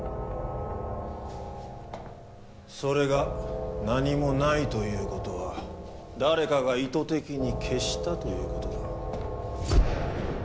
それが何もないという事は誰かが意図的に消したという事だ。